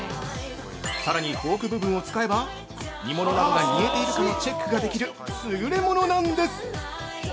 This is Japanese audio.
さらに、フォーク部分を使えば煮物などが煮えているかのチェックができる優れものなんです！